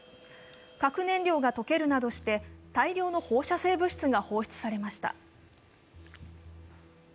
核燃料が溶けるなどして大量の放射性物質が放出されました。